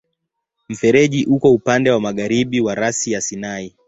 Mfereji uko upande wa magharibi wa rasi ya Sinai.